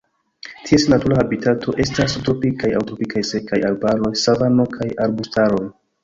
Ties natura habitato estas subtropikaj aŭ tropikaj sekaj arbaroj, savano kaj arbustaroj.